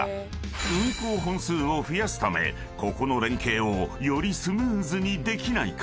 ［運行本数を増やすためここの連携をよりスムーズにできないか］